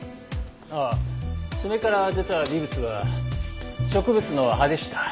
ああ爪から出た微物は植物の葉でした。